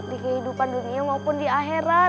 di kehidupan dunia maupun di akhirat